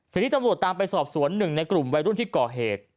ทีนี้ตำรวจตามไปสอบสวนหนึ่งในกลุ่มวัยรุ่นที่ก่อเหตุ